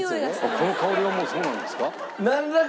この香りがもうそうなんですか？